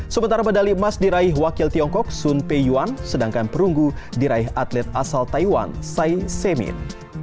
sementara medali emas diraih wakil tiongkok sun pe yuan sedangkan perunggu diraih atlet asal taiwan sai semin